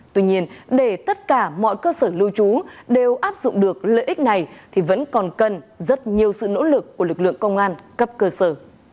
tuy nhiên để tất cả mọi cơ sở lưu trú đều áp dụng được lợi ích này thì vẫn còn cần rất nhiều sự nỗ lực của lực lượng công an cấp cơ sở